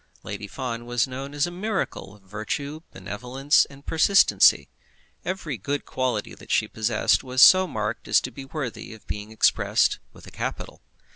Lady Fawn was known as a miracle of Virtue, Benevolence, and Persistency. Every good quality that she possessed was so marked as to be worthy of being expressed with a capital.